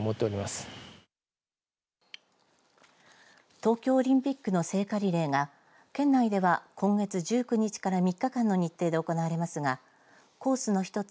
東京オリンピックの聖火リレーが県内では、今月１９日から３日間の日程で行われますがコースの一つ